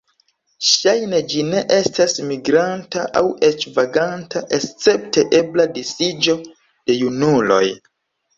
Ŝajne ĝi ne estas migranta aŭ eĉ vaganta escepte ebla disiĝo de junuloj.